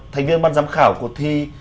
thành viên ban giám khảo cuộc thi